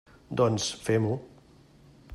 Doncs, fem-ho.